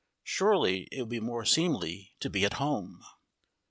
Surely it would be more seemly to be at home?